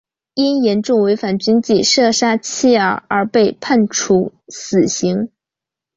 因严重违反军纪射杀妻儿而被判处死刑。